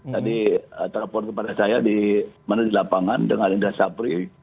tadi telepon kepada saya di mana di lapangan dengan indra sapri